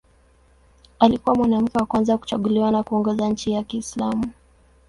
Alikuwa mwanamke wa kwanza kuchaguliwa na kuongoza nchi ya Kiislamu.